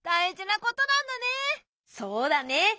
そうだね。